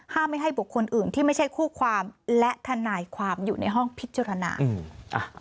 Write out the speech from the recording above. ไม่ให้บุคคลอื่นที่ไม่ใช่คู่ความและทนายความอยู่ในห้องพิจารณาอืม